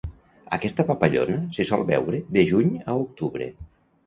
Aquesta papallona se sol veure de juny a octubre.